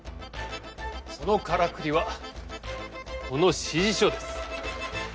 そのからくりはこの指示書です。